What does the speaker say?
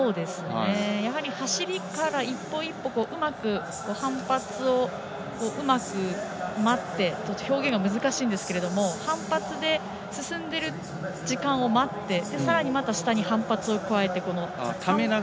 走りから一歩一歩うまく反発を待って表現が難しいですが反発で進んでいる時間を待ってさらに、下に反発を加えて。